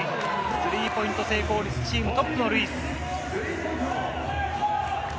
スリーポイント成功率チームトップのルイス。